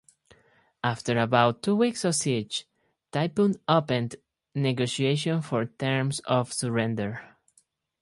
After about two weeks of siege, Tipu opened negotiations for terms of surrender.